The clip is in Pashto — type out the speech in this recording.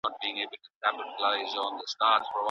په قلم لیکنه کول د زده کوونکي د ژوند کیسه ده.